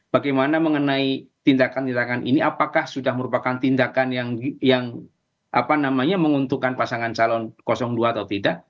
bagaimana mengenai tindakan tindakan ini apakah sudah merupakan tindakan yang menguntungkan pasangan calon dua atau tidak